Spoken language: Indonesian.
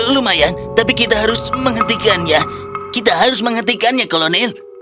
lumayan tapi kita harus menghentikannya kita harus menghentikannya kolonel